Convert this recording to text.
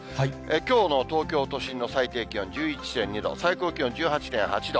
きょうの東京都心の最低気温１１．２度、最高気温１８．８度。